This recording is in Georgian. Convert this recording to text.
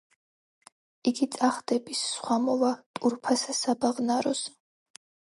იგი წახდების, სხვა მოვა ტურფასა საბაღნაროსა;